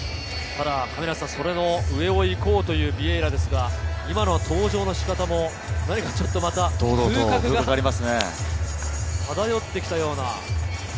その上を行こうというビエイラですが、今の登場の仕方も何かまた風格が漂ってきたような。